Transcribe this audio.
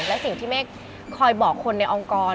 และสิ่งที่เมฆคอยบอกคนในองค์กร